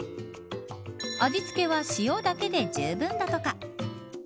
味付けは塩だけでじゅうぶんだとか。